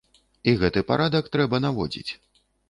І гэты парадак трэба наводзіць.